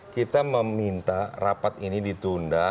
kita meminta rapat ini ditunda